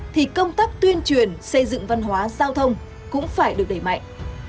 thì công tác tuyên truyền xây dựng văn hóa giao thông cũng phải được đẩy mạnh